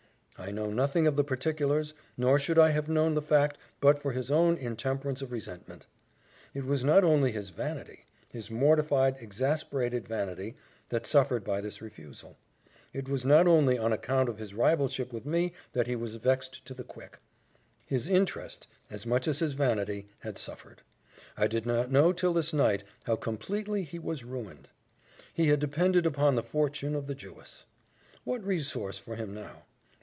I know nothing of the particulars, nor should I have known the fact but for his own intemperance of resentment. It was not only his vanity his mortified, exasperated vanity that suffered by this refusal; it was not only on account of his rivalship with me that he was vexed to the quick; his interest, as much as his vanity, had suffered. I did not know till this night how completely he was ruined. He had depended upon the fortune of the Jewess. What resource for him now?